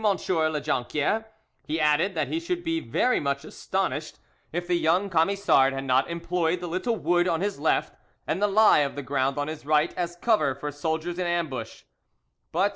de La Jonquiere, he added that he should be very much astonished if the young Camisard had not employed the little wood on his left and the lie of the ground on his right as cover for soldiers in ambush; but M.